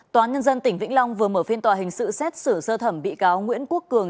tòa nhân dân tỉnh vĩnh long vừa mở phiên tòa hình sự xét xử sơ thẩm bị cáo nguyễn quốc cường